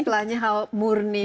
setelahnya hal murni